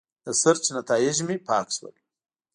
د سرچ نیتایج مې پاک شول.